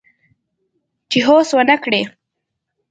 چې هوس ونه کړي